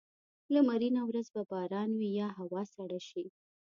لمرینه ورځ به باران وي یا هوا سړه شي.